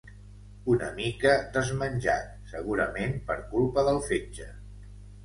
Una mica desmenjat, segurament per culpa del fetge.